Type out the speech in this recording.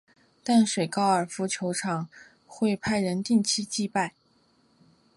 淡水高尔夫球场会派人定期祭拜。